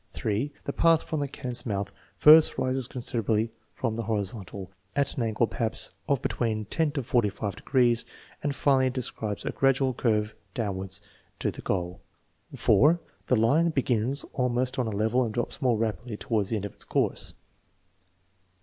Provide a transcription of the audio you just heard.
(3) The path from the cannon's mouth first rises considerably from the horizontal, at an angle perhaps of between ten to forty five degrees, and finally describes a gradual curve downward to the goal. (4) The line be gins almost on a level and drops more rapidly toward the end of its course.